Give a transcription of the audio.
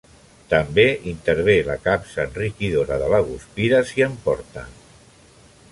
També intervé la capsa enriquidora de la guspira, si en porta.